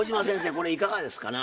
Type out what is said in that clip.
これいかがですかな？